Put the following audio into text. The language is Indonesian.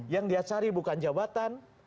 yang dia cari bukan jabatan